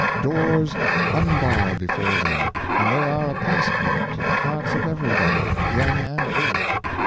Doors unbar before them, and they are a pass port to the hearts of every body, young and old.